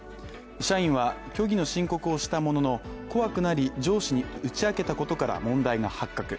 社員は虚偽の申告をしたところ上司に打ち明けたことから問題が発覚。